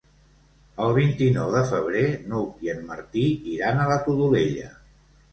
El vint-i-nou de febrer n'Hug i en Martí iran a la Todolella.